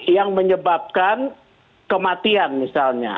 yang menyebabkan kematian misalnya